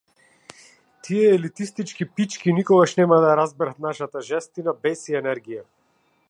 Тие елитистички пички никогаш нема да ја разберат нашата жестина, бес и енергија!